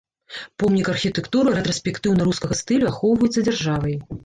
Помнік архітэктуры рэтраспектыўна-рускага стылю, ахоўваецца дзяржавай.